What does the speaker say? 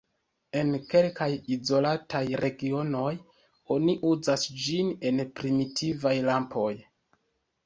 En kelkaj izolataj regionoj, oni uzas ĝin en primitivaj lampoj.